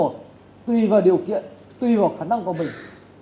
tuy vào điều kiện tuy vào khả năng của mình